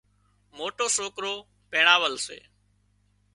موٽِو سوڪرو پينڻاول سي